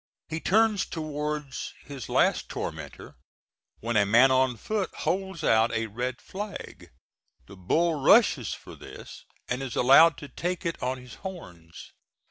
He turns towards his last tormentor when a man on foot holds out a red flag; the bull rushes for this and is allowed to take it on his horns.